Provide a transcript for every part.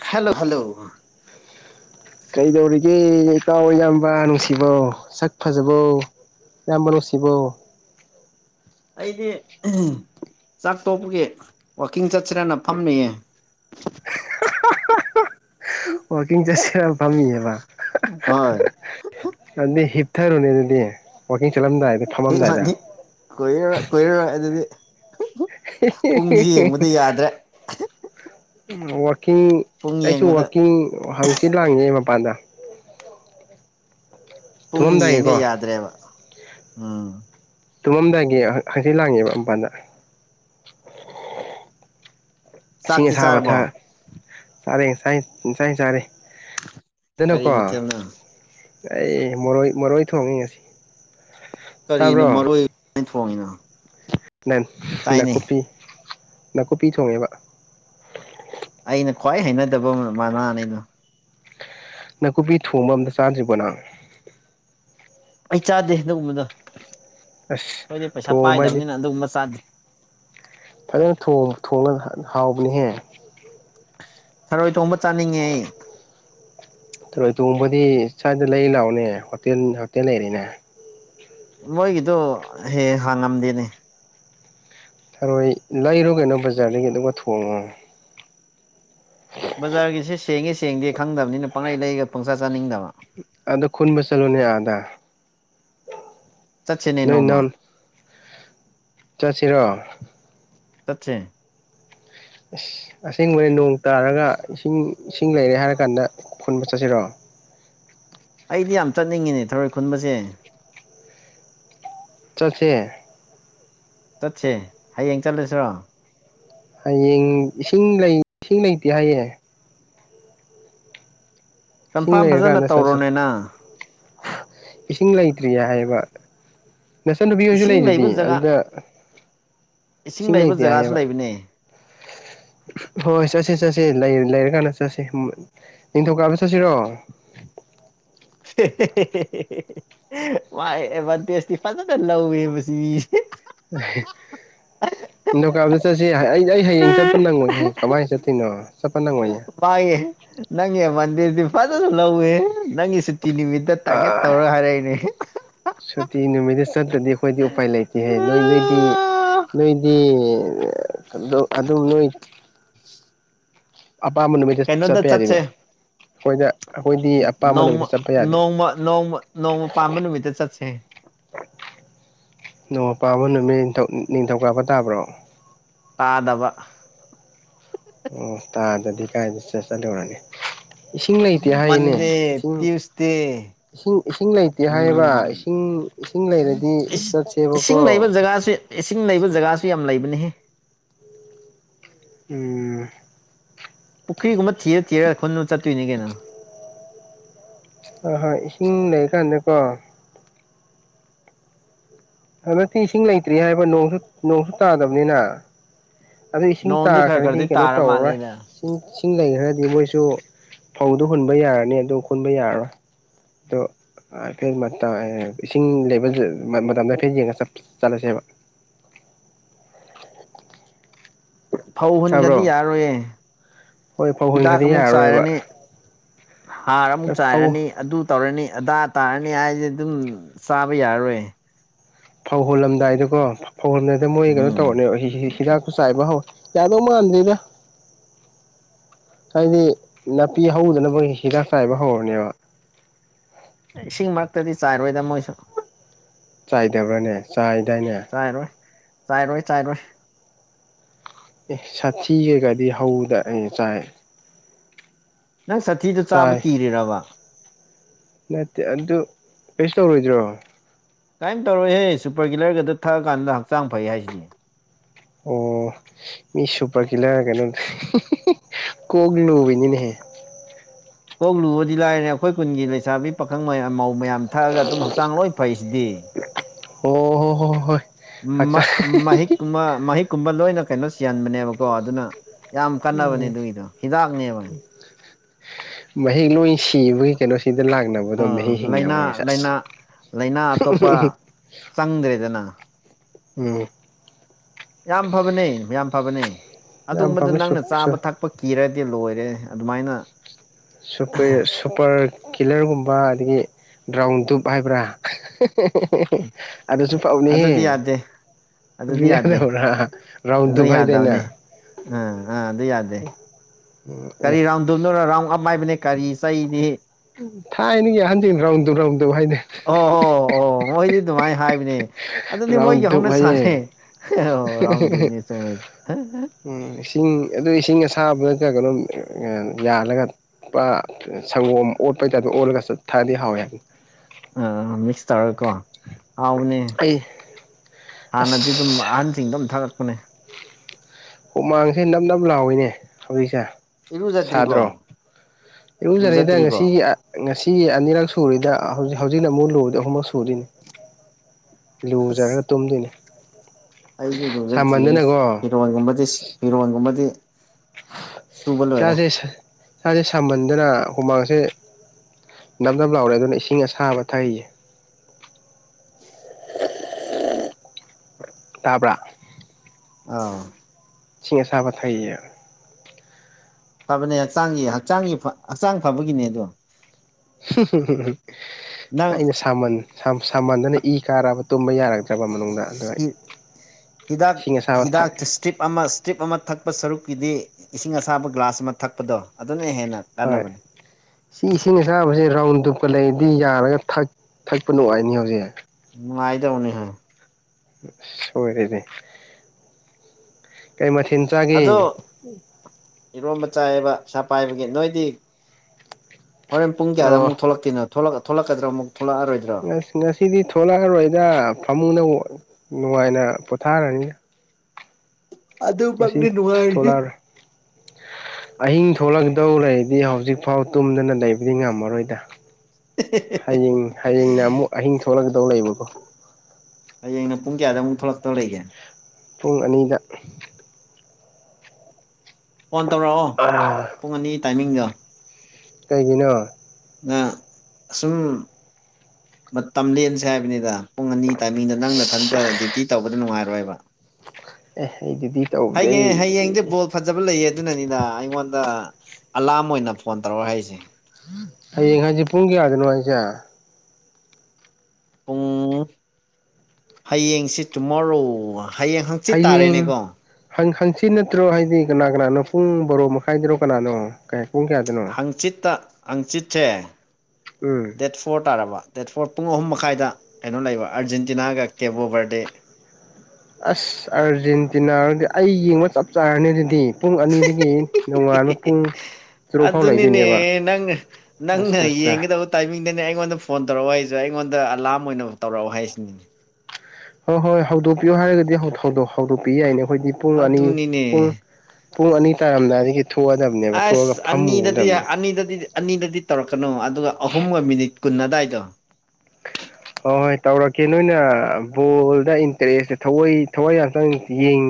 hello hello ꯀꯩꯗꯧꯒ ꯏꯇꯥꯎ ꯏꯌꯥꯝꯕ ꯅꯨꯡꯁꯤꯕꯧ ꯁꯛ ꯐꯖꯕꯧ ꯏꯌꯥꯝꯕ ꯅꯨꯡꯁꯤꯕꯧ ꯑꯩꯗꯤ ꯆꯥꯛ ꯇꯣꯛꯄꯒꯤ ꯋꯥꯋꯀꯤꯡ ꯆꯠꯁꯤꯔꯅ ꯐꯝꯃꯤꯌꯦ ꯋꯥꯀꯤ ꯆꯁꯤ ꯄꯝ ꯍꯥꯏꯕ ꯍꯣꯏ ꯑꯗꯤ ꯊꯔꯨꯅꯦ ꯑꯗꯨꯗꯤ ꯋꯥꯀꯤꯡ ꯅꯤ ꯀꯣꯏ ꯀꯣꯏꯔꯔ ꯑꯗꯨꯗꯤ ꯄꯨꯡꯁꯤ ꯌꯦꯡꯕꯗ ꯌꯥꯗ꯭ꯔꯦ [unintelligible] ꯋꯥꯛꯀꯤꯡ ꯄꯨꯡ ꯑꯩꯁꯨ ꯌꯦꯡꯕꯗ ꯋꯥꯛꯀꯤꯡ ꯍꯪꯁꯤ ꯂꯥꯡꯉꯅꯦꯩ ꯑꯩ ꯃꯄꯥꯟꯗ ꯄꯨꯡ ꯌꯦꯡꯉ ꯇꯨꯝꯃꯝꯗꯥꯏꯒꯤꯀꯣ ꯌꯥꯗ꯭ꯔꯦꯕ ꯎꯝ ꯇꯨꯝꯃꯝꯗꯥꯏꯒꯤ ꯍꯆꯤ ꯂꯥꯡꯉꯦꯕ ꯃꯄꯜꯗ ꯆꯥꯛꯇꯤ ꯆꯥꯔꯕꯣ ꯁꯥꯔꯦ ꯁꯥꯏ ꯁꯥꯏ ꯆꯔꯦ ꯀꯔꯤ ꯃꯊꯦꯜꯅꯣ ꯑꯦ ꯃꯔꯣꯏ ꯃꯔꯣꯏ ꯊꯣꯡꯉꯤ ꯉꯁꯤ ꯀꯔꯤꯅꯣ ꯃꯔꯣꯏꯅ ꯊꯣꯡꯉꯤꯅꯣ ꯅ ꯇꯥꯏꯅꯦ ꯅꯥꯀꯨꯞꯄꯤ ꯅꯥꯀꯨꯞꯄꯤ ꯊꯣꯡꯉꯦꯕ [inaudible] ꯑꯩꯅ ꯈ꯭ꯋꯥꯏ ꯍꯩꯅꯗꯕ ꯃꯅ ꯃꯅꯅꯤꯅꯦ ꯅꯥꯀꯨꯞꯄꯤ ꯊꯣꯡꯕ ꯑꯝꯇ ꯆꯥꯗ꯭ꯔꯤꯕꯣ ꯅꯪ ꯑꯩ ꯆꯥꯗꯦ ꯑꯗꯨꯒꯨꯝꯕꯗꯣ ꯑꯁ ꯑꯩꯈꯣꯏꯗꯤ ꯄꯩꯁꯥ ꯊꯣꯡꯕ ꯍꯥꯏꯗꯤ ꯄꯥꯏꯗꯕꯅꯤꯅ ꯑꯗꯨꯒꯨꯝꯕ ꯆꯥꯗꯦ ꯐꯖꯅ ꯊꯣꯡ ꯊꯣꯡꯉ ꯐꯖꯅ ꯍꯥꯎꯕꯅꯤꯍꯦ ꯊꯥꯔꯣꯏ ꯊꯣꯡꯕ ꯆꯥꯅꯤꯡꯉꯦ ꯑꯩ ꯊꯔꯣꯏ ꯊꯣꯡꯕꯗꯤ ꯁ꯭ꯋꯥꯏꯗ ꯂꯩ ꯂꯥꯛꯑꯣꯅꯦ ꯍꯣꯇꯦꯜ ꯍꯣꯇꯦꯜ ꯂꯩꯔꯤꯅꯦ ꯃꯣꯏꯒꯤꯗꯣ ꯍꯦꯍꯦꯛ ꯍꯥꯡꯉꯝꯗꯦꯅꯦ ꯊꯔꯣꯏ ꯂꯩꯔꯣꯀꯩꯅꯣ ꯕꯥꯖꯥꯔꯗꯒꯤ ꯑꯗꯨꯒ ꯊꯣꯡꯉꯣ ꯕꯥꯖꯥꯔꯒꯤꯁꯦ ꯁꯦꯡꯉꯦ ꯁꯦꯡꯗꯦ ꯈꯪꯗꯕꯅꯤꯅ ꯄꯪꯂꯩ ꯂꯩꯔꯒ ꯄꯪꯆꯥ ꯆꯥꯅꯤꯡꯗꯕꯅꯤ ꯑꯗꯨ ꯈꯨꯟꯕ ꯆꯪꯉꯨꯅꯦ ꯑꯗꯥ ꯆꯠꯁꯦꯅꯦ ꯅꯣꯡꯃꯥ ꯆꯠꯁꯤꯔꯣ ꯆꯠꯁꯦ ꯑꯁ ꯑꯁꯦꯡꯕꯩ ꯅꯣꯡ ꯇꯥꯔꯒ ꯏꯁꯤꯡ ꯏꯁꯤꯡ ꯂꯩꯔꯦ ꯍꯥꯏꯔ ꯀꯥꯟꯗ ꯈꯨꯟꯕ ꯆꯠꯁꯤꯔꯣ [unintelligible] [inaudible] ꯑꯩꯗꯤ ꯌꯥꯝ ꯆꯠꯅꯤꯡꯉꯦꯅꯦ ꯊꯔꯣꯏ ꯈꯨꯟꯕꯁꯦ ꯆꯠꯁꯦ ꯆꯠꯁꯦ ꯍꯌꯦꯡ ꯆꯠꯂꯁꯦꯔꯣ ꯍꯌꯦꯡ ꯏꯁꯤꯡ ꯂꯩ ꯏꯁꯤꯡ ꯂꯩꯇꯦ ꯍꯥꯏꯌꯦꯦ ꯏꯁꯤꯡ ꯀꯟꯐꯥꯝ ꯐꯖꯅ ꯂꯩꯔꯀꯥꯟꯗ ꯆꯠꯁꯦ ꯇꯧꯔꯣꯅꯦꯅ ꯏꯁꯤꯡ ꯂꯩꯇ꯭ꯔꯤꯌꯦ ꯍꯥꯏꯌꯦꯕ ꯅꯆꯟꯅꯨꯄꯤ ꯍꯣꯏꯁꯨ ꯏꯁꯤꯡ ꯂꯩꯕ ꯂꯩꯗꯨꯗꯤ ꯖꯒꯥ ꯑꯗꯨꯗ ꯏꯁꯤꯡ ꯂꯩꯕ ꯂꯩꯇꯦ ꯖꯒꯥꯁꯨ ꯍꯥꯏꯌꯦꯕ ꯂꯩꯕꯅꯦ ꯍꯣꯏ ꯆꯠꯁꯦ ꯆꯠ ꯆꯠꯁꯦ ꯂꯩꯔ ꯂꯩꯔꯀꯥꯟꯗ ꯆꯠꯁꯦ ꯎꯝ ꯅꯤꯡꯊꯧꯀꯥꯕ ꯆꯠꯁꯦꯔꯣ ꯍꯦꯍꯦꯍꯦꯍꯦꯍꯦꯍꯦꯍꯦꯍꯦ [unintelligible] [inaudible] ꯋꯥ ꯑꯦ ꯑꯦꯗꯚꯥꯟꯇꯦꯖꯇꯤ ꯐꯖꯅ ꯂꯧꯋꯦꯕ ꯃꯥꯁꯤ ꯃꯤꯁꯦ ꯑꯍꯦ [unintelligible] [inaudible] ꯅꯤꯡꯊꯧꯀꯥꯕꯗ ꯆꯠꯁꯦ ꯑꯩ ꯑꯩ ꯍꯌꯦꯡ ꯆꯠꯄ ꯅꯪꯉꯣꯏꯌꯦ ꯀꯃꯥꯏꯅ ꯆꯠꯇꯣꯏꯅꯣ ꯆꯠꯄ ꯅꯪꯉꯣꯏꯌꯦ ꯋꯥꯌꯦ ꯅꯪꯒꯤ ꯑꯦꯗꯚꯥꯁꯇꯦꯖꯇꯤ ꯐꯖꯅ ꯂꯧꯋꯦꯍꯦ ꯅꯪꯒꯤ ꯁꯤꯠ ꯁꯨꯇꯤ ꯅꯨꯃꯤꯠꯇ ꯇꯥꯔꯒꯦꯠ ꯇꯧꯔꯒ ꯍꯥꯏꯔꯛꯏꯅꯦ ꯁꯨꯇꯤ ꯅꯨꯃꯤꯠꯇ ꯆꯠꯇ꯭ꯔꯗꯤ ꯑꯩꯈꯣꯏꯗꯤ ꯎꯄꯥꯏ ꯂꯩꯇꯦꯍꯦ ꯅꯣꯏ ꯅꯣꯏꯗꯤ ꯅꯣꯏꯗꯤ ꯑꯗꯨ ꯑꯗꯨ ꯅꯣꯏ ꯑꯄꯥꯝꯕ ꯅꯨꯃꯤꯠꯇ ꯆꯠꯄ ꯌꯥꯗꯦꯅꯦ ꯑꯩꯈꯣꯏꯗ ꯑꯩꯈꯣꯏꯗꯤ ꯅꯣ ꯑꯄꯥꯝꯕ ꯅꯨꯃꯤꯠꯇ ꯅꯣꯡꯃ ꯆꯠꯄ ꯌꯥꯗꯦ ꯅꯣꯡꯃ ꯅꯣꯡꯃ ꯅꯣꯡꯃ ꯄꯥꯟꯕꯥ ꯅꯨꯃꯤꯠꯇ ꯆꯠꯁꯤ ꯍꯦ ꯅꯣꯡꯃꯥ ꯄꯥꯟꯕ ꯅꯨꯃꯤꯠ ꯅꯤꯡꯊꯧ ꯅꯤꯅꯤꯡꯊꯧꯀꯥꯕ ꯇꯥꯕ꯭ꯔꯣ ꯌꯥꯥꯗꯕ ꯑꯣ ꯇꯥꯗꯗꯤ ꯀꯥꯏꯗ ꯆꯠ ꯆꯠꯂꯨꯔꯒꯦ ꯏꯁꯤꯡ ꯂꯩꯇꯦ ꯍꯥꯏꯌꯦꯅꯦ ꯃꯟꯗꯦ ꯏꯁꯤꯡ ꯇ꯭ꯌꯨꯁꯗꯦ ꯏꯁꯤꯡ ꯏꯁꯤꯡ ꯂꯩꯇꯦ ꯍꯥꯏꯌꯦꯕ ꯎꯝ ꯏꯁꯤꯡ ꯏꯁꯤꯡ ꯂꯩꯔꯗꯤ ꯏꯁ ꯏꯁꯤꯡ ꯂꯩꯕ ꯆꯠꯁꯦꯕꯀꯣ ꯖꯒꯥꯁꯦ ꯏꯁꯤꯡ ꯂꯩꯕ ꯖꯒꯥꯁꯨ ꯌꯥꯝ ꯂꯩꯕꯅꯤꯍꯦ ꯎꯝ ꯄꯨꯈ꯭ꯔꯤꯒꯨꯝꯕ ꯊꯤꯔ ꯊꯤꯔꯒ ꯈꯨꯨꯟꯕ ꯆꯠꯇꯣꯏꯅꯤ ꯀꯩꯅꯣ ꯍꯣꯏ ꯍꯣꯏ ꯏꯁꯤꯡ ꯂꯩꯔꯀꯥꯟꯗꯀꯣ ꯍꯟꯗꯛꯇꯤ ꯏꯁꯤꯡ ꯂꯩꯇ꯭ꯔꯤ ꯍꯥꯏꯕ ꯅꯣꯡꯁꯨ ꯅꯣꯡꯁꯨ ꯇꯥꯗꯕꯅꯤꯅ ꯑꯗꯨ ꯏꯁꯤꯡ ꯅꯣꯡꯗꯤ ꯈꯔ ꯈꯔꯗꯤ ꯇꯥꯒ꯭ꯔꯗꯤ ꯀꯩꯅꯣ ꯇꯥꯔ ꯇꯧꯔ ꯔꯣꯏ ꯃꯥꯜꯂꯦꯗ ꯏꯁꯤꯡ ꯏꯁꯤꯡ ꯂꯩꯈ꯭ꯔꯒꯗꯤ ꯃꯣꯏꯁꯨ ꯐꯧꯗꯣ ꯍꯨꯟꯕ ꯌꯥꯔꯅꯤ ꯑꯗꯨ ꯈꯨꯟꯕ ꯌꯥꯔꯔꯣꯏ ꯑꯗꯣ ꯐꯦ ꯏꯁꯤꯡ ꯂꯩꯕ ꯃꯇꯝꯗ ꯑꯩꯐꯦꯠ ꯌꯦꯡꯉꯒ ꯆꯠꯂꯁꯦꯕ [inaudible] ꯐꯧ ꯇꯥꯕ꯭ꯔꯣ ꯍꯨꯟꯒ꯭ꯔꯗꯤ ꯌꯥꯔꯣꯏꯌꯦꯦ ꯍꯣꯏ ꯐꯧ ꯍꯤꯗꯥꯛ ꯍꯨꯟꯈ꯭ꯔꯗꯤ ꯑꯃꯨꯛ ꯌꯥꯔꯔꯣꯏꯕ ꯆꯥꯏꯔꯅꯤ ꯍꯥꯔ ꯑꯃꯨꯛ ꯐꯧ ꯆꯥꯏꯔꯅꯤ ꯑꯗꯨ ꯇꯧꯔꯅꯤ ꯑꯗꯥ ꯇꯥꯔꯅꯤ ꯍꯥꯏꯁꯦ ꯑꯗꯨꯝ ꯆꯥꯕ ꯌꯥꯔꯔꯣꯏ ꯐꯧ ꯍꯣꯜꯂꯝꯗꯥꯏꯗꯀꯣ ꯐꯧꯍꯜꯂꯝꯗꯥꯏꯗ ꯃꯣꯏ ꯀꯩꯅꯣ ꯎꯝ ꯇꯧꯔꯅꯦꯕ ꯍꯤꯗꯥꯛꯁꯨ ꯆꯥꯏꯕ ꯍꯧꯋꯦ ꯌꯥꯗꯣ ꯃꯥꯥꯟꯗꯗ ꯍꯥꯏꯗꯤ ꯅꯥꯄꯤ ꯍꯧꯗꯅꯕ ꯍꯤꯗꯥꯛ ꯆꯥꯏꯕ ꯍꯧꯔꯅꯦꯕ ꯏꯁꯤꯡ ꯃꯔꯛꯇꯗꯤ ꯆꯥꯏꯔꯣꯏꯗ ꯃꯣꯏꯁꯨ ꯆꯥꯏꯗꯕ꯭ꯔꯥꯅꯦ ꯆꯥꯏ ꯆꯥꯏꯔꯣꯏ ꯆꯥꯏꯔꯣꯏ ꯆꯥꯏꯔꯣꯏ ꯑꯦ ꯁꯥꯊꯤ ꯀꯩꯀꯗꯤ ꯍꯧꯗ ꯑꯩꯩꯅ ꯆꯥꯏ ꯅꯪ ꯁꯥꯊꯤꯗꯨ ꯆꯥꯕ ꯆꯥꯏ ꯀꯤꯔꯔꯕ ꯅꯠꯇꯦ ꯑꯗꯨ ꯄꯩꯁꯨ ꯇꯧꯔꯣꯏꯗ꯭ꯔꯣ ꯀꯥꯏꯝ ꯇꯧꯔꯣꯍꯦ ꯁꯨꯄꯔ ꯀꯂꯔꯒꯗ ꯊꯛꯑ ꯀꯥꯟꯗ ꯍꯛꯆꯥꯡ ꯐꯩ ꯍꯥꯏꯁꯤꯅꯦ ꯑꯣ ꯃꯤꯁꯨꯨꯄꯔ ꯀꯂ ꯀꯩꯅ ꯀꯒ ꯂꯕꯅꯤꯅꯦꯍꯦ ꯀꯣꯛ ꯂꯨꯕꯗꯤ ꯂꯥꯏꯔꯦ ꯑꯩꯈꯣꯏ ꯀꯨꯟꯒꯤ ꯂꯩꯁꯥꯕꯤ ꯄꯥꯈꯪ ꯃꯌꯥꯝ ꯃꯧ ꯃꯌꯥꯝ ꯊꯛꯑꯒ ꯑꯗꯨꯝ ꯍꯛꯆꯥꯡ ꯂꯣꯏ ꯐꯩꯁꯤꯗꯤ ꯎ ꯍꯣ ꯍꯣ ꯍꯣ ꯍꯣꯏ ꯍꯛꯆꯥꯡ ꯃꯍꯤꯛꯀꯨꯝꯕ ꯃꯍꯤꯛꯀꯨꯝꯕ ꯂꯣꯏꯅ ꯀꯩꯅꯣ ꯆ ꯌꯥꯟꯕꯅꯦꯕꯀꯣ ꯑꯗꯨꯅ ꯌꯥꯝ ꯀꯟꯅꯕꯅꯦ ꯎꯝ ꯑꯗꯨꯒꯤꯗꯣ ꯍꯤꯗꯥꯛꯅꯦꯕ ꯃꯍꯒ ꯂꯣꯏ ꯁꯤꯕꯒꯤ ꯀꯩꯅꯣꯁꯤꯗ ꯂꯥꯛꯅꯕꯗꯣ ꯑꯥ ꯃꯍꯤ ꯂꯥꯏꯅꯥ ꯍꯤꯡꯅꯕꯅꯦꯁꯁ ꯂꯥꯏꯅꯥ ꯂꯥꯏꯅꯥ ꯑꯇꯣꯞꯄ ꯆꯪꯗ꯭ꯔꯦꯗꯅ ꯎꯝ ꯌꯥꯝ ꯐꯕꯅꯦ ꯌꯥꯝ ꯐꯕꯅꯦ ꯌꯥꯝ ꯑꯗꯨꯒꯨꯝꯕꯗꯨ ꯄꯥꯝꯃꯦ ꯅꯪꯅ ꯆꯥꯕ ꯁꯨꯄꯔ ꯊꯛꯄ ꯀꯤꯔꯗꯤ ꯂꯣꯏꯔꯦ ꯑꯗꯨꯃꯥꯏꯅ ꯁꯨꯄꯦ ꯁꯨꯄꯔ ꯀꯤꯂꯔꯒꯨꯝꯕ ꯑꯗꯒꯤ ꯕ꯭ꯔꯥꯎꯟ ꯗꯨꯞ ꯍꯥꯏꯕ꯭ꯔꯥ ꯑꯗꯨꯁꯨ ꯄꯥꯎꯅꯦꯍꯦ ꯑꯗꯨꯗꯤ ꯌꯥꯗꯦ ꯑꯗꯨꯗꯤ ꯌꯥꯗꯦ ꯗꯕꯔ ꯔꯥꯎꯟꯗ ꯐꯥꯏꯗꯦꯅ ꯎꯝ ꯑꯥ ꯑꯗꯨ ꯌꯥꯗꯦ ꯑꯦ ꯀꯔꯤ ꯔꯥꯎꯟꯗꯣꯅꯣꯔ ꯔꯥꯎꯟ ꯑꯞꯥꯏꯕꯅꯦ ꯀꯔꯤ ꯆꯩꯅꯤ ꯊꯥꯏꯅꯒꯌꯥꯍꯥꯟꯗꯤ ꯔꯥꯎꯟꯗ ꯔꯥꯎꯟ ꯇꯨꯞ ꯍꯥꯏꯅꯩ ꯑꯣ ꯑꯣ ꯑꯣ ꯃꯣꯏꯗꯤ ꯑꯗꯨꯃꯥꯏꯅ ꯍꯥꯏꯕ ꯑꯗꯨꯗꯤ ꯔꯥꯎꯟ ꯃꯣꯏꯒꯤ ꯇꯨꯞ ꯍꯧꯅ ꯍꯥꯏꯌꯦ ꯁꯥꯟꯅ ꯔꯝꯅꯤ ꯎꯝ ꯏꯁꯤꯡ ꯑꯗꯨ ꯏꯁꯤꯡ ꯑꯁꯥꯕꯗ ꯀꯩꯅꯣ ꯌꯥꯜꯂꯒ ꯁꯪꯒꯣꯝ ꯑꯃ ꯑꯣꯠꯄꯩꯇꯥꯔꯗꯣ ꯑꯣꯠꯂꯒ ꯆꯠꯊꯥꯗꯤ ꯍꯥꯎꯋꯦ ꯍꯥꯏꯕ ꯑ ꯃꯤꯛꯁ ꯇꯧꯔꯒꯦꯀꯣ ꯍꯥꯎꯅꯦ ꯑꯩ ꯍꯥꯟꯅꯗꯤ ꯑꯗꯨꯝ ꯑꯁ ꯑꯍꯟꯁꯤꯡꯗ ꯑꯗꯨꯝ ꯊꯂꯛꯄꯅꯦ ꯍꯨꯃꯥꯡꯁꯦ ꯅꯞ ꯅꯞ ꯂꯥꯎꯏꯅꯦ ꯍꯧꯖꯤꯛꯁꯦ ꯏꯔꯨꯖꯗ꯭ꯔꯤꯕꯣ ꯁꯥꯗ꯭ꯔꯣ ꯏꯔꯨꯖꯔꯗ ꯂꯨꯖꯗ꯭ꯔꯤꯕꯣ ꯉꯁꯤ ꯉꯁꯤ ꯁꯤ ꯑꯅꯤꯔꯛ ꯁꯨꯔꯤꯦꯗ ꯍꯧꯖꯤꯛ ꯍꯧꯖꯤꯛꯅ ꯑꯃꯨꯛ ꯂꯨꯗꯦ ꯑꯍꯨꯝꯛ ꯊꯨꯗꯣꯏꯅꯤ ꯑꯁ ꯂꯨꯖꯔꯒ ꯇꯨꯝꯗꯣꯏꯅꯤ ꯑꯩꯁꯨ ꯂꯨꯖꯗ꯭ꯔꯤꯌꯦ ꯁꯥꯃꯟꯗꯅꯀꯣ ꯐꯤꯔꯣꯏꯒꯨꯝꯕꯗꯤ ꯍꯤꯔꯣꯏꯣꯟꯒꯨꯝꯕꯗꯤ ꯁꯨꯕꯜ ꯑꯣꯏꯔꯦ ꯏꯁꯥꯁꯦ ꯏꯁꯥꯁꯦ ꯁꯃꯟꯗꯅ ꯍꯨꯃꯥꯡꯁꯦ ꯅꯞ ꯅꯞ ꯂꯥꯎꯔꯦ ꯑꯗꯨꯅ ꯏꯁꯤꯡ ꯑꯁꯥꯕ ꯊꯛꯩꯌꯦ ꯇꯥꯕ ꯑꯥ ꯆꯤꯡ ꯑꯁꯥꯕ ꯊꯥꯏ ꯐꯕꯅꯦ ꯍꯛꯆꯥꯡꯒꯤ ꯍꯛꯆꯥꯡꯒꯤ ꯍꯛꯆꯥꯡ ꯐꯕꯒꯤꯅꯦ ꯑꯗꯣ ꯅꯪ ꯑꯩꯅ ꯁꯥꯃꯟ ꯁꯥꯃꯟꯗꯅ ꯏ ꯀꯥꯔꯕ ꯇꯨꯝꯕ ꯌꯥꯔꯒ ꯐꯞꯖꯕ ꯃꯅꯨꯡꯗ ꯑꯗꯨ ꯍꯤꯗꯥꯛ ꯍꯤꯗꯥꯛ ꯏꯁꯇ꯭ꯔꯤꯞ ꯑꯃ ꯏꯁꯇ꯭ꯔꯤꯞ ꯑꯃ ꯊꯛꯄ ꯁꯔꯨꯛ ꯄꯤꯗꯤ ꯏꯁꯤꯡ ꯑꯁꯥꯕ ꯒ꯭ꯂꯥꯁ ꯑꯃ ꯊꯛꯄꯗꯣ ꯑꯗꯨꯅ ꯍꯦꯟꯅ ꯍꯣꯏ ꯀꯥꯟꯅꯕꯅꯦ ꯁꯤ ꯏꯆꯅꯤꯁꯥꯕꯁꯤ ꯔꯥꯎꯟ ꯇꯨꯞꯞꯄ ꯂꯩꯔꯗꯤ ꯌꯥꯔꯒ ꯊꯛꯄ ꯅꯨꯡꯉꯥꯏꯅꯤ ꯍꯧꯖꯤꯛ ꯃꯅꯨꯡꯉꯥꯏꯗꯎꯅꯤ ꯍꯥꯏ ꯁꯣꯏꯔꯤꯅꯦ ꯀꯩ ꯃꯊꯤꯟ ꯆꯥꯒꯦ ꯑꯗꯣ ꯏꯔꯣꯝꯕ ꯆꯥꯏꯌꯦꯕ ꯄꯩꯥ ꯄꯥꯏꯕꯒꯤ ꯅꯣꯏꯗꯤ ꯍꯣꯔꯦꯟ ꯄꯨꯡ ꯀꯌꯥꯗ ꯑꯣ ꯑꯃꯨꯛ ꯊꯣꯛꯂꯛꯀꯅꯣ ꯊꯣꯛꯂꯛ ꯊꯣꯛꯂꯛꯀ꯭ꯔ ꯑꯃꯨꯛ ꯊꯣꯛꯂꯛꯑꯔꯣꯏꯗ꯭ꯔꯣ ꯁ ꯉꯁꯤꯗꯤ ꯊꯣꯛꯂꯛꯑꯔꯣꯏꯗ ꯐꯃꯨꯡꯅ ꯅ ꯏꯩꯅ ꯄꯊꯥꯅꯤ ꯉꯁꯤ ꯑꯗꯨꯃꯛꯅꯤ ꯅꯨꯡꯉꯥꯏꯔꯤꯁꯦ ꯊꯣꯂꯥ ꯑꯍꯤꯡ ꯊꯣꯛꯂꯛꯗꯧ ꯂꯩꯔꯗꯤ ꯍꯧꯖꯤꯛꯐꯥꯎ ꯇꯨꯝꯗꯅ ꯂꯩꯕꯗꯤ ꯉꯝꯃꯔꯣꯏꯗ ꯍꯌꯦꯡ ꯍꯌꯦꯡꯅꯦ ꯑꯃꯨꯛ ꯑꯍꯤꯡ ꯊꯣꯛꯂꯛꯒꯗꯧ ꯂꯩꯕꯀꯣ ꯍꯌꯦꯡꯅ ꯄꯨꯡ ꯀꯌꯥꯗ ꯑꯃꯨꯛ ꯊꯣꯛꯂꯛꯇꯧ ꯂꯩꯒꯦ ꯄꯨꯡ ꯑꯅꯤꯗ ꯐꯣꯟ ꯇꯧꯔꯛꯑꯣ ꯄꯨꯡ ꯑꯅꯤ ꯇꯥꯏꯃꯤꯡꯗ ꯀꯒꯤꯅꯣ ꯅꯪ ꯑꯁꯨꯝ ꯂꯦꯟꯁꯦ ꯍꯥꯏꯕꯅꯤꯗ ꯄꯨꯡ ꯑꯅꯤ ꯇꯥꯏꯃꯤꯡꯗ ꯅꯪꯅꯊꯟꯇ ꯗ꯭ꯌꯨꯇꯤ ꯇꯧꯕꯗ ꯅꯨꯡꯉꯥꯏꯔꯣꯏꯕ ꯑꯦ ꯑꯩꯗꯨꯗꯤ ꯇꯧꯕꯗꯤ ꯍꯌꯦꯡ ꯍꯌꯦꯡꯗꯤ ꯑꯩ ꯕꯣꯜ ꯐꯖꯕ ꯂꯩꯌꯦ ꯑꯗꯨꯅꯅꯤꯅ ꯑꯩꯉꯣꯟꯗ ꯑꯂꯥꯝ ꯑꯣꯏꯅ ꯐꯣꯟ ꯇꯧꯔ ꯍꯥꯏꯁꯦ ꯍꯌꯦꯡ ꯍꯥꯏꯁꯦ ꯄꯨꯡ ꯀꯌꯥꯗꯅꯣꯉꯥꯏꯁꯦ ꯄꯨꯡ ꯍꯌꯦꯡꯁꯤ ꯇꯨꯃꯣꯔꯣ ꯍꯌꯦꯡ ꯍꯪꯆꯤꯠ ꯍꯌꯦꯡ ꯇꯥꯔꯦꯅꯦꯀꯣ ꯍꯪ ꯍꯪꯆꯤꯠ ꯅꯠꯇ꯭ꯔꯣ ꯍꯥꯏꯗꯤ ꯀꯅꯥ ꯀꯅꯥꯅꯣ ꯄꯨꯡ ꯕꯣꯔꯣ ꯃꯈꯥꯏꯗꯔꯣ ꯀꯅꯥꯅꯣ ꯀꯩ ꯄꯨꯡ ꯀꯌꯥꯗꯅꯣ ꯍꯪꯆꯤꯠꯇ ꯍꯪꯆꯤꯠꯁꯦ ꯎꯝ ꯗꯦꯠ ꯐꯣꯔ ꯇꯥꯔꯕ ꯗꯦꯠ ꯐꯣꯔ ꯄꯨꯡ ꯑꯍꯨꯝ ꯃꯈꯥꯏꯗ ꯀꯩꯅꯣ ꯂꯩꯕ ꯑꯥꯔꯖꯦꯟꯇꯤꯅꯥꯒ ꯀꯦꯕꯣ ꯕꯔꯗꯦ ꯑꯁ ꯑꯥꯔꯖꯦꯟꯇꯤꯅꯥꯔꯗꯤ ꯑꯩ ꯌꯦꯡꯕ ꯆꯞ ꯆꯥꯔꯅꯤ ꯑꯗꯨꯗꯤ ꯄꯨꯡ ꯑꯅꯤꯗꯒꯤ ꯅꯣꯉꯥꯟꯕ ꯄꯨꯡ ꯇꯔꯨꯛ ꯐꯥꯎ ꯑꯗꯨꯅꯤꯅꯦ ꯂꯩꯗꯣꯏꯅꯦꯕ ꯅꯪ ꯅꯪꯅ ꯑꯠꯆꯥ ꯑꯠꯆꯥ ꯌꯦꯡꯒꯗꯕ ꯇꯥꯏꯃꯤꯡꯗꯅꯦ ꯑꯩꯉꯣꯟꯗ ꯐꯣꯟ ꯇꯧꯔꯛꯑꯣ ꯍꯥꯏꯁꯦ ꯑꯗ ꯑꯩꯉꯣꯟꯗ ꯑꯂꯥꯔꯝ ꯑꯣꯏꯅ ꯇꯧꯔꯛꯑꯣ ꯍꯥꯏꯁꯤꯅꯤꯅꯦ ꯍꯣꯏ ꯍꯣꯏ ꯍꯧꯗꯣꯛꯄꯤꯌꯣ ꯍꯥꯏꯔꯒꯗꯤ ꯍꯧꯗꯣꯛꯄꯤꯌꯨ ꯌꯥꯏꯅꯦ ꯑꯩꯈꯣꯏꯗꯤ ꯄꯨꯡ ꯑꯅꯤ ꯑꯗꯨꯅꯤꯅꯦ ꯄꯨꯡ ꯄꯨꯡ ꯑꯅꯤ ꯇꯥꯔꯝꯗꯥꯅꯤ ꯑꯁ ꯑꯅꯤꯗꯗꯤ ꯑꯅꯤꯗꯗꯤ ꯑꯅꯤꯗꯗꯤ ꯇꯧꯔꯛꯀꯅꯨ ꯑꯗꯨꯒ ꯑꯍꯨꯝꯒ ꯃꯤꯅꯤꯠ ꯀꯨꯟ ꯑꯗꯨꯋꯥꯏꯗ ꯗ ꯍꯣꯏ ꯍꯣꯏ ꯇꯧꯔꯛꯀꯦ ꯅꯣꯏꯅ ꯕꯣꯜꯗ ꯏꯟꯇꯔꯦꯁꯇ ꯊ ꯊꯋꯥꯏ ꯌꯥꯝ ꯆꯪ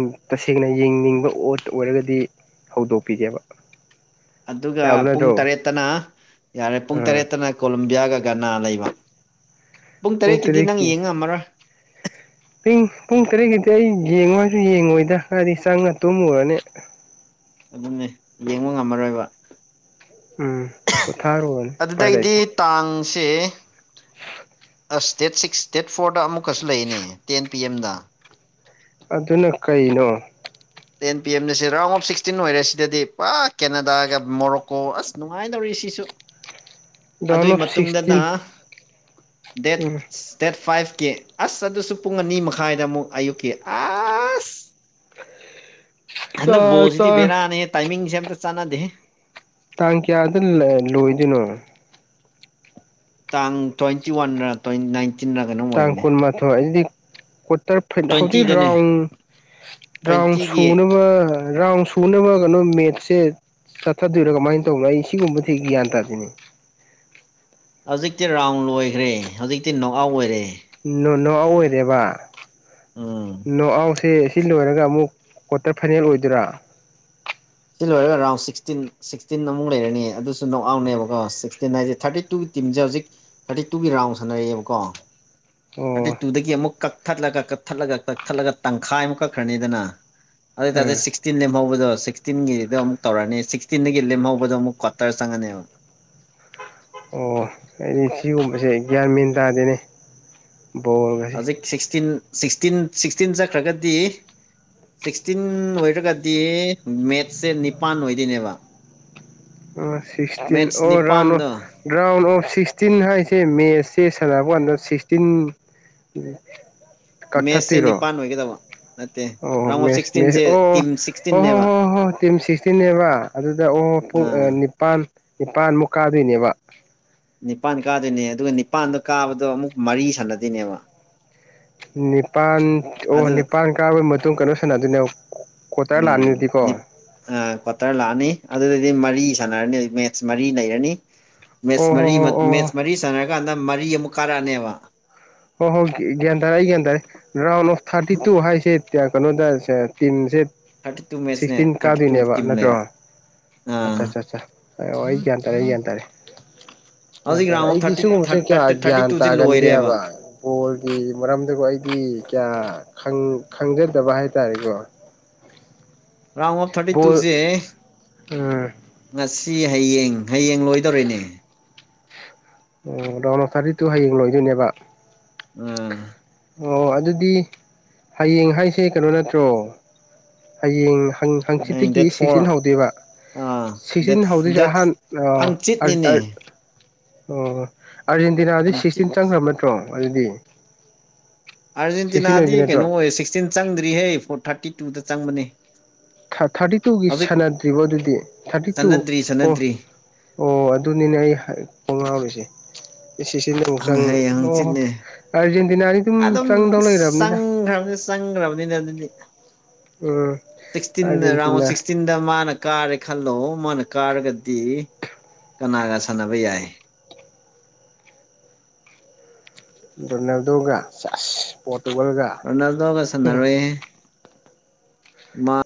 ꯁꯦꯡꯅ ꯌꯦꯡꯅꯤꯡꯕ ꯑꯣꯠ ꯑꯣꯏꯔꯒꯗꯤ ꯍꯧꯗꯣꯛꯄꯤꯒꯦꯕ ꯑꯗꯨꯒ ꯌꯥꯕ ꯄꯨꯡ ꯅꯠꯇ꯭ꯔꯣ ꯇꯔꯦꯠꯇꯅ ꯌꯥꯔꯦ ꯄꯨꯡ ꯑꯥ ꯇꯔꯦꯠꯇꯅ ꯀꯣꯂꯝꯕꯤꯌꯥꯒ ꯒꯅꯥ ꯂꯩꯕ ꯄꯨꯡ ꯇꯔꯦꯠꯀꯤꯗꯤ ꯅꯪ ꯌꯦꯡꯉ ꯉꯝꯃꯔꯣꯏ ꯄ ꯄꯨꯡ ꯇꯔꯦꯠꯀꯤꯗꯤ ꯑꯩ ꯌꯦꯡꯉꯨ ꯍꯥꯏꯁꯨ ꯌꯦꯡꯉꯣꯏꯗ ꯍꯥꯏꯗꯤ ꯆꯪꯉ ꯇꯨꯝꯃꯨꯔꯅꯦ [unintelligible] [inaudible] ꯎꯝꯅꯦ ꯌꯦꯡꯕ ꯉꯝꯃꯔꯣꯏꯕ ꯎꯝ ꯄꯣꯊꯥꯔꯨꯔꯅꯤ ꯎꯄꯥꯏ ꯑꯗꯨꯗꯩꯗꯤ ꯂꯩꯇꯦ ꯇꯥꯡꯁꯦ ꯑꯁ ꯗꯦꯠ ꯁꯤꯛꯁ ꯗꯦꯠ ꯐꯣꯔꯗ ꯑꯃꯨꯛꯀꯁꯨ ꯂꯩꯅꯦ ꯇꯦꯟ ꯄꯤ ꯑꯦꯝꯗ ꯑꯗꯨꯅ ꯀꯩꯅꯣ ꯇꯦꯟ ꯄꯤ ꯑꯦꯝꯅꯁꯦ ꯔꯥꯎꯟ ꯑꯣꯐ ꯁꯤꯛꯁꯇꯤꯟ ꯑꯣꯏꯔꯦ ꯁꯤꯗꯗꯤ ꯄꯨꯔ ꯀꯦꯅꯥꯗꯥꯒ ꯃꯣꯔꯣꯀꯣ ꯑꯁ ꯅꯨꯡꯉꯥꯏꯅꯧꯔꯤ ꯁꯤꯁꯨ ꯗꯥꯎꯟ ꯑꯗꯨꯒꯤ ꯑꯣꯐ ꯃꯇꯨꯡꯗꯅ ꯁꯤꯛꯁꯇꯤꯟ ꯗꯦꯠ ꯎꯝ ꯗꯦꯠ ꯐꯥꯏꯚ ꯆꯠꯀꯦ ꯑꯁ ꯑꯗꯨꯁꯨ ꯄꯨꯡ ꯑꯅꯤ ꯃꯈꯥꯏꯗ ꯑꯃꯨꯛ ꯑꯌꯨꯛꯀꯤ ꯑꯁ ꯇꯥ ꯍꯟꯗꯛ ꯇꯥ ꯕꯣꯜꯁꯤꯗꯤ ꯕꯦꯔꯥꯅꯦꯍ ꯇꯥꯏꯃꯤꯡꯁꯦ ꯑꯝꯇ ꯆꯥꯟꯅꯗꯦ ꯇꯥꯡ ꯀꯌꯥꯗ ꯂꯣꯏꯗꯣꯏꯅꯣ ꯇꯥꯡ ꯇ꯭ꯋꯦꯟꯇꯤ ꯋꯥꯟꯗ ꯇ꯭ ꯅꯥꯏꯟꯇꯤꯟꯗ ꯀꯩꯅꯣꯝ ꯑꯣꯏꯕꯅꯦ ꯐ ꯍꯧꯗꯤ ꯇ꯭ꯋꯦꯟꯇꯤꯗꯅꯦ ꯔꯥꯎꯟ ꯔꯥꯎꯟ ꯇ꯭ꯋꯦꯟꯇꯤꯒꯤ ꯁꯨꯅꯕ ꯔꯥꯎꯟ ꯊꯨꯅꯕ ꯀꯩꯅꯣ ꯃꯦꯠꯁꯦ ꯆꯠꯊꯗꯣꯏꯔꯥ ꯀꯃꯥꯏꯅ ꯇꯧꯕꯅꯣ ꯑꯩ ꯁꯤꯒꯨꯝꯕꯕꯁꯤ ꯒ꯭ꯌꯥꯟ ꯇꯥꯗꯣꯏꯅꯤ ꯍꯧꯖꯤꯛꯇꯤ ꯔꯥꯎꯟ ꯂꯣꯏꯈ꯭ꯔꯦ ꯍꯧꯖꯤꯛꯇꯤ ꯅꯣꯛ ꯑꯥꯎꯠ ꯑꯣꯏꯔꯦ ꯅ ꯅ ꯑꯥꯎ ꯑꯣꯏꯔꯦꯕ ꯎꯝ ꯅꯣ ꯑꯥꯎꯁꯦ ꯁꯤ ꯂꯣꯏꯔꯒ ꯒ ꯑꯃꯨꯛ ꯀ꯭ꯋꯥꯇꯔ ꯐꯥꯏꯅꯦꯜ ꯑꯣꯏꯗꯣꯏꯔꯥ ꯁꯤ ꯂꯣꯏꯔꯒ ꯔꯥꯎꯟ ꯁꯤꯛꯁꯇꯤꯟ ꯁꯤꯛꯁꯇꯤꯟ ꯑꯃꯨꯛ ꯂꯩꯔꯅꯤ ꯑꯗꯨꯁꯨ ꯅꯣꯛ ꯑꯥꯎꯅꯦꯕꯀꯣ ꯁꯤꯛꯁꯇꯤꯟ ꯍꯥꯏꯁꯦ ꯊꯥꯔꯇꯤ ꯇꯨ ꯇꯤꯝꯁꯦ ꯍꯧꯖꯤꯛ ꯊꯥꯔꯇꯤ ꯇꯨꯒꯤ ꯔꯥꯎꯟ ꯁꯥꯟꯅꯔꯛꯑꯦꯕꯀꯣ ꯊꯥꯔꯇꯤ ꯑꯣ ꯇꯨꯗꯒꯤ ꯑꯃꯨꯛ ꯀꯛ ꯊꯠꯂ ꯀꯛ ꯀꯛ ꯊꯠꯂꯒ ꯀꯛ ꯀꯛ ꯊꯠꯂꯒ ꯇꯪꯈꯥꯏ ꯑꯃꯨꯛ ꯀꯛꯈ꯭ꯔꯅꯤꯗꯅ ꯑꯗꯨꯑꯣ ꯑꯣꯏ ꯑꯥ ꯇꯔꯗꯗꯤ ꯁꯤꯛꯁꯇꯤꯟ ꯂꯦꯝꯍꯧꯕꯗꯣ ꯁꯤꯛꯁꯇꯤꯟꯒꯤꯗꯣ ꯑꯃꯨꯛ ꯇꯧꯔꯅꯤ ꯁꯤꯛꯁꯇꯤꯟꯗꯒꯤ ꯂꯦꯝꯍꯧꯕꯗꯣ ꯑꯃꯨꯛ ꯀ꯭ꯋꯥꯇꯔ ꯆꯪꯉꯅꯤꯕ ꯑꯣ ꯑꯩꯗꯤ ꯁꯤꯒꯨꯝꯕꯁꯦ ꯒ꯭ꯌꯥꯟ ꯃꯦꯟ ꯇꯥꯗꯦꯅꯦ ꯕꯣꯜꯒꯁꯦ ꯍꯧꯖꯤꯛ ꯁꯤꯛꯁꯇꯤꯟ ꯁꯤꯛꯁꯇꯤꯟ ꯁꯤꯛꯁꯇꯤꯟ ꯆꯠꯈ꯭ꯔꯒꯗꯤ ꯁꯤꯛꯁꯇꯤꯟ ꯑꯣꯏꯔꯒꯗꯤ ꯃꯦꯠꯁꯦ ꯅꯤꯄꯥꯟ ꯑꯣꯏꯗꯣꯏꯅꯦꯕ ꯇ ꯃꯦꯠꯁ ꯅꯤꯄꯥꯟꯗꯣ ꯔ ꯁꯤꯛꯁꯇꯤꯟ ꯍꯥꯏꯁꯦ ꯃꯦꯠꯁꯁꯦ ꯁꯥꯟꯅꯕ ꯑꯟꯗ ꯁꯤꯛꯁꯇꯤꯟ ꯃꯦꯠꯁꯦ ꯀꯛꯊꯠꯇꯣꯏꯔꯣ ꯅꯤꯄꯥꯟ ꯑꯣꯏꯒꯗꯕ ꯅꯠꯇꯦ ꯑꯣ ꯔꯥꯎꯟ ꯑꯣꯐ ꯃꯦꯁ ꯃꯦꯁ ꯁꯤꯛꯁꯇꯤꯟꯁꯦ ꯑꯣ ꯇꯤꯝ ꯍꯣ ꯍꯣ ꯁꯤꯛꯁꯇꯤꯟꯅꯦꯕ ꯍꯣꯏ ꯍꯣꯏ ꯍꯣꯏ ꯇꯤꯝ ꯁꯤꯛꯁꯇꯤꯟꯅꯦꯕ ꯑꯗꯨꯗ ꯑꯣ ꯄꯨꯡ ꯑꯥ ꯅꯤꯄꯜ ꯅꯤꯄꯥꯥꯟꯃꯨꯛ ꯀꯥꯗꯣꯏꯅꯦꯕ ꯅꯤꯄꯥꯟ ꯀꯥꯗꯣꯏꯅꯦ ꯑꯗꯨꯒ ꯅꯤꯄꯥꯟꯗꯣ ꯀꯥꯕꯗꯣ ꯑꯃꯨꯛ ꯃꯔꯤ ꯁꯥꯟꯅꯗꯣꯏꯅꯦꯕ ꯅꯤꯄꯥꯜ ꯑꯣ ꯑꯗꯨ ꯅꯤꯄꯥꯟ ꯀꯥꯕꯒꯤ ꯃꯇꯨꯡ ꯀꯩꯅꯣ ꯁꯥꯟꯅꯗꯣꯏꯅꯦ ꯀ꯭ꯋꯥꯇꯔ ꯂꯥꯛꯑꯅꯤꯗꯤꯀꯣ ꯎꯝ ꯀ꯭ꯋꯥꯇꯔ ꯂꯥꯛꯑꯅꯤ ꯑꯗꯨꯗꯗꯤ ꯃꯔꯤ ꯑꯣ ꯍꯣ ꯍꯣ ꯑꯣ [unintelligible] ꯀꯥꯟꯗ ꯃꯔꯤ ꯑꯃꯨꯛ ꯀꯥꯔꯛꯑꯅꯦꯕ ꯍꯣꯏ ꯍꯣꯏ ꯒ꯭ꯌꯥꯟ ꯇꯥꯔꯦ ꯑꯩ ꯒ꯭ꯟ ꯇꯥꯔꯦ ꯔꯥꯎꯟ ꯑꯣꯐ ꯊꯥꯔꯇꯤ ꯇꯨ ꯍꯥꯏꯁꯦ ꯀꯩꯅꯣꯗꯁꯦ ꯇꯤꯟꯁꯦ ꯊꯥꯔꯇꯤ ꯇꯨ ꯃꯦꯠꯁꯅꯦ ꯁꯤꯛꯁꯇꯤꯟ ꯊꯥꯔꯇꯤ ꯇꯨ ꯀꯥꯗꯣꯏꯅꯦꯕ ꯇꯤꯝ ꯅꯠꯇ꯭ꯔꯣ ꯂꯩꯕ ꯑꯠꯆꯥ ꯑꯥ ꯑꯠꯆꯥ ꯍ ꯑꯩ ꯒ꯭ꯌꯥꯟ ꯇꯥꯔꯦ ꯑꯩ ꯒ꯭ꯌꯥꯟ ꯇꯥꯔꯦ ꯒ꯭ꯌꯥꯟ ꯍꯧꯖꯤꯛ ꯇꯥꯔꯦ ꯔꯥꯎꯟ ꯑꯣꯐ ꯑꯩꯗꯤ ꯁꯤꯒꯨꯝꯕꯁꯦ ꯀꯌꯥ ꯊꯥꯔꯇꯤ ꯊꯥꯔꯇꯤ ꯒ꯭ꯌꯥꯟ ꯇꯨꯁꯦ ꯂꯣꯏꯔꯦꯕ ꯇꯥꯒꯟꯗꯦꯕ ꯀꯣꯜꯒꯤ ꯃꯔꯝꯗꯀꯣ ꯑꯩꯗꯤ ꯀꯌꯥ ꯈꯪꯖꯗꯕ ꯍꯥꯏꯇꯥꯔꯦꯀꯣ ꯔꯥꯎꯟ ꯑꯣꯐ ꯊꯥꯔꯇꯤ ꯕꯣꯜ ꯇꯨꯁꯦ ꯎꯝ ꯉꯁꯤ ꯍꯌꯦꯡ ꯍꯌꯦꯡ ꯂꯣꯏꯗꯧꯔꯤꯅꯦ ꯔꯗꯥꯎꯟ ꯑꯣꯐ ꯊꯥꯔꯤꯠꯇꯨ ꯍꯌꯦꯡ ꯂꯣꯏꯗꯣꯏꯅꯦꯕ ꯎꯝ ꯑꯣ ꯑꯗꯨꯗꯤ ꯍꯌꯦꯡ ꯍꯥꯏꯁꯦ ꯀꯩꯅꯣ ꯅꯠꯇ꯭ꯔꯣ ꯍꯌꯦꯡ ꯪ ꯍꯌꯦꯡ ꯍꯪꯆꯤꯠꯇꯒꯤ ꯗꯦꯠ ꯐꯣꯔ ꯁꯤꯛꯁꯇꯤꯟ ꯍꯧꯗꯦꯕ ꯑꯥ ꯗꯦꯠ ꯁꯤꯛꯁꯇꯤꯟ ꯍꯧꯗꯛꯁꯦ ꯗꯦꯠ ꯑꯍꯥꯟ ꯍꯪꯆꯤꯠꯅꯤꯅꯦ ꯑꯣ ꯑꯥꯔꯖꯦꯟꯇꯤꯅꯥꯗꯤ ꯍꯪꯆꯤꯠ ꯁꯤꯛꯁꯇꯤꯟ ꯆꯪꯈ꯭ꯔꯕ ꯅꯠꯇ꯭ꯔꯣ ꯑꯗꯨꯗꯤ ꯁꯤꯛꯁꯇꯤꯟ ꯑꯥꯔꯖꯦꯟꯇꯤꯅꯥꯗꯤ ꯑꯣꯏꯗꯣꯏ ꯅꯠꯇ꯭ꯔꯣ ꯀꯩꯅꯣ ꯑꯣꯏ ꯁꯤꯛꯁꯇꯤꯟ ꯆꯪꯗ꯭ꯔꯤꯍꯦ ꯐꯣꯔ ꯊꯥꯔꯇꯤ ꯇꯨꯗ ꯆꯪꯕꯅꯦ ꯊꯥꯔꯇꯤ ꯇꯨꯒꯤ ꯍꯧꯖꯤꯛ ꯁꯥꯟꯅꯗ꯭ꯔꯤꯕꯣ ꯑꯗꯨꯗꯤ ꯊꯥꯔꯇꯤ ꯇꯨ ꯆꯠꯅꯗ꯭ꯔꯤ ꯑꯣ ꯆꯠꯅꯗ꯭ꯔꯤ ꯑꯣ ꯑꯗꯨꯅꯤꯅꯦ ꯑꯩ ꯈꯣꯡ ꯉꯥꯎꯔꯤꯁꯦ ꯏꯁꯁ ꯅꯕꯧꯕꯁꯦ ꯑꯪ ꯍꯌꯦꯡ ꯑꯣ ꯍꯪꯆꯤꯠꯅꯦ ꯑꯥꯔꯖꯦꯟꯇꯤꯅꯥꯅꯤ ꯑꯗꯨꯝ ꯆꯪꯗꯧ ꯂꯩꯔꯕꯅꯤꯗ ꯆꯪꯈ꯭ꯔꯕꯅꯤ ꯆꯪꯈ꯭ꯔꯕꯅꯤꯅ [unintelligible] ꯎꯝ ꯁꯤꯛꯁꯇꯤꯟ ꯔꯥꯎꯟ ꯑꯥꯔꯖꯦꯟꯇꯤꯅꯥ ꯁꯤꯛꯁꯇꯤꯟꯗ ꯃꯥꯅ ꯀꯥꯔꯒ ꯈꯜꯂꯣ ꯃꯥꯅ ꯀꯥꯔꯒꯗꯤ ꯀꯅꯥꯒ ꯁꯥꯟꯅꯕ ꯌꯥꯏ ꯅꯗꯒ ꯆ ꯄꯣꯠ ꯔꯗꯒ ꯁꯟꯅꯔꯋꯦ ꯃꯥ